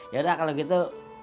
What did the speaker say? yaudah kalau gitu